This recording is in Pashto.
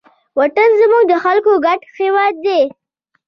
وطن زموږ د خلکو ګډ هویت دی.